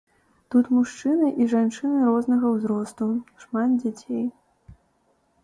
Тут мужчыны і жанчыны рознага ўзросту, шмат дзяцей.